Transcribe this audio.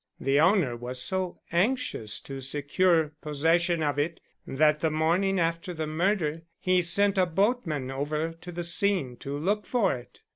The owner was so anxious to secure possession of it that the morning after the murder he sent a boatman over to the scene to look for it.